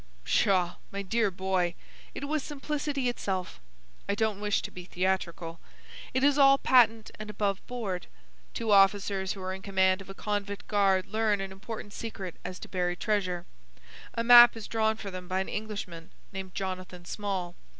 "Pshaw, my dear boy! it was simplicity itself. I don't wish to be theatrical. It is all patent and above board. Two officers who are in command of a convict guard learn an important secret as to buried treasure. A map is drawn for them by an Englishman named Jonathan Small.